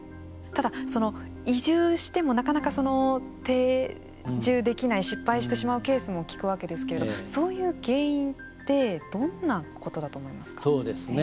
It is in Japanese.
ただ、移住してもなかなか定住できない失敗してしまうケースも聞くわけですけれどそういう原因ってどんなことだと思いますか。